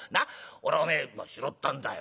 俺はお前拾ったんだよ。